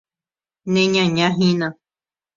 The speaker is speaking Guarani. Neñañahína.